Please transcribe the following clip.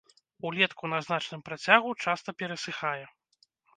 Улетку на значным працягу часта перасыхае.